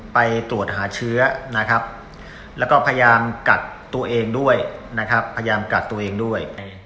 ไปตรวจหาเชื้อนะครับแล้วก็พยายามกัดตัวเองด้วยนะครับพยายามกัดตัวเองด้วย